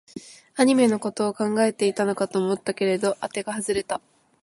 アニメのことを考えていたのかと思ったけど、あてが外れた